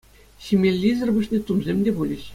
Ҫимеллисӗр пуҫне тумсем те пулӗҫ.